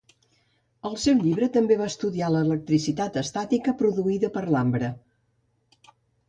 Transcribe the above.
Al seu llibre també va estudiar l'electricitat estàtica produïda per l'ambre.